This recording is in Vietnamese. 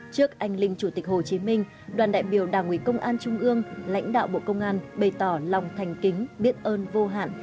trước anh linh chủ tịch hồ chí minh đoàn đại biểu đảng ủy công an trung ương lãnh đạo bộ công an bày tỏ lòng thành kính biết ơn vô hạn